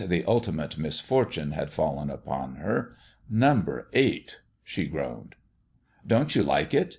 the ultimate mis fortune had fallen upon her. " Number eight," she groaned. " Don't you like it